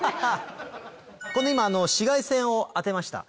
今紫外線を当てました